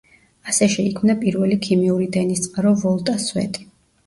ასე შეიქმნა პირველი ქიმიური დენის წყარო „ვოლტას სვეტი“.